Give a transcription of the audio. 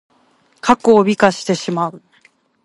過去を美化してしまう。